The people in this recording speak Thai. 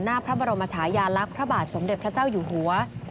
หน้าพระบรมชายาลักษณ์พระบาทสมเด็จพระเจ้าอยู่หัว